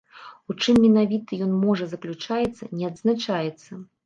У чым менавіта ён можа заключаецца не адзначаецца.